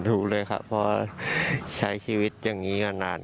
ถูกเลยครับเพราะว่าใช้ชีวิตอย่างนี้มานาน